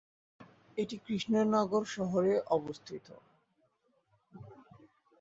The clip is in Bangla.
এটি কৃষ্ণনগর শহরে অবস্থিত।